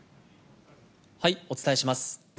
お伝えします。